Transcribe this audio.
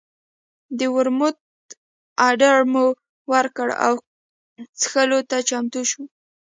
د ورموت اډر مو ورکړ او څښلو ته چمتو شول.